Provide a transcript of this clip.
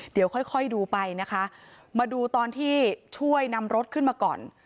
เดี๋ยวค่อยค่อยดูไปนะคะมาดูตอนที่ช่วยนำรถขึ้นมาก่อน